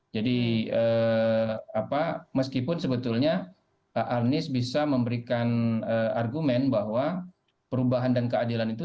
jadi meskipun sebetulnya anies bisa memberikan argumen bahwa perubahan dan keadilan itu